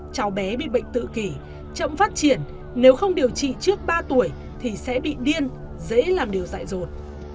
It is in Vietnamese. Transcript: cháu bé bị bệnh tự kỷ chậm phát triển nếu không điều trị trước ba tuổi thì sẽ bị điên dễ làm điều dạy dồn